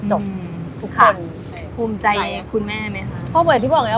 จบทุกคน